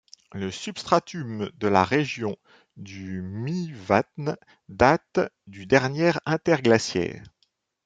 Le substratum de la région du Mývatn date du dernier interglaciaire.